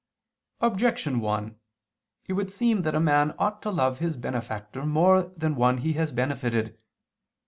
Objection 1: It would seem that a man ought to love his benefactor more than one he has benefited.